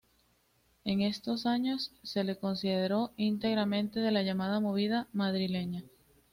En esos años se lo consideró integrante de la llamada "movida madrileña".